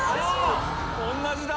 おんなじだ。